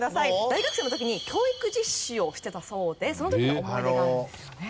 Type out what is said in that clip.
大学生の時に教育実習をしてたそうでその時の思い出があるんですよね？